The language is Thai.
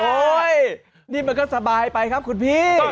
นี่มันก็สบายไปครับคุณพี่